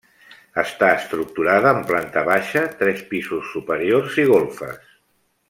Està estructurada en planta baixa, tres pisos superiors i golfes.